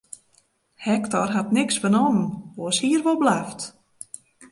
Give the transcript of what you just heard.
Hektor hat neat fernommen, oars hie er wol blaft.